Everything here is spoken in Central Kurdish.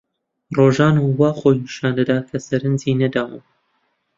ڕۆژان وا خۆی نیشان دەدا کە سەرنجی نەداوم.